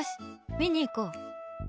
見に行こう！